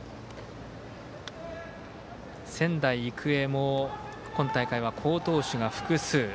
仙台育英も今大会は好投手が複数。